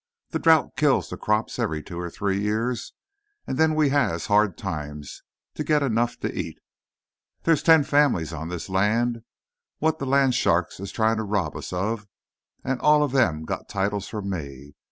The drought kills the crops every two or three years and then we has hard times to get enough to eat. There is ten families on this land what the land sharks is trying to rob us of, and all of them got titles from me.